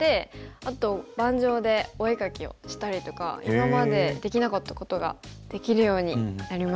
あと盤上でお絵かきをしたりとか今までできなかったことができるようになりますよね。